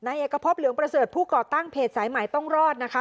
เอกพบเหลืองประเสริฐผู้ก่อตั้งเพจสายใหม่ต้องรอดนะคะ